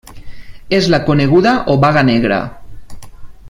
És la coneguda Obaga Negra.